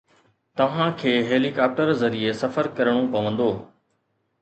توهان کي heli copter ذريعي سفر ڪرڻو پوندو.